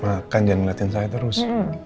makan jangan ngeliatin saya terus